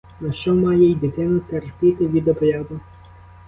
Нащо має й дитина терпіти від обряду?